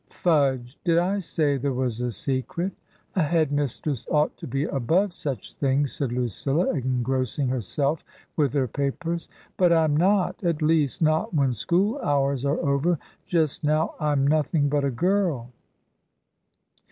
" Fudge. Did I say there was a secret ? A Head mistress ought to be above such things," said Lucilla, engrossing herself with her papers. " But I'm not. At least not when school hours are over. Just now I'm nothing but a girl."